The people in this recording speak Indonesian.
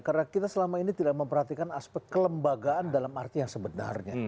karena kita selama ini tidak memperhatikan aspek kelembagaan dalam arti yang sebenarnya